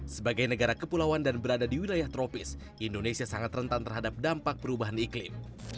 sebagai negara kepulauan dan berada di wilayah tropis indonesia sangat rentan terhadap dampak perubahan iklim